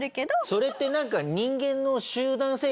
それってなんか。